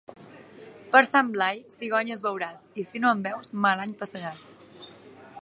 Per Sant Blai, cigonyes veuràs, i si no en veus, mal any passaràs.